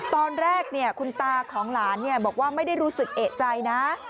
ตอนแรกคุณตาของหลานบอกว่าไม่ได้รู้สึกเอกใจนะ